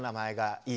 ・いい！